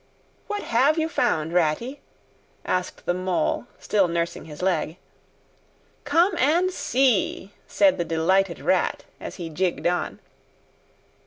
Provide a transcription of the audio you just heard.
"What have you found, Ratty?" asked the Mole, still nursing his leg. "Come and see!" said the delighted Rat, as he jigged on.